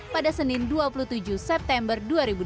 pada senin dua puluh tujuh september dua ribu dua puluh